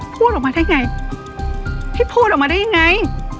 พูดออกมาได้ไงพี่พูดออกมาได้ยังไง